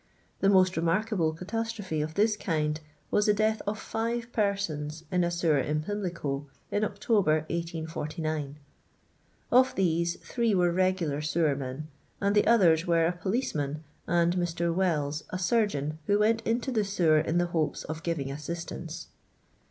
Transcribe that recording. The most remarkable catastrophe of this kind was the death of five persons in a sewer in Pimlico, in October, 1849; of these, three were regular sewor men, and the others were a policeman and Mr. Wells, a surgeon, who went into the sewer in the hopes of giving assistance.